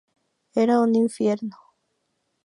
Era un infierno.